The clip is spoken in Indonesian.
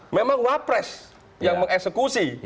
memang wapres yang mengeksekusi